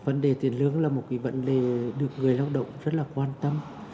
vấn đề tiền lương là một cái vấn đề được người lao động rất là quan tâm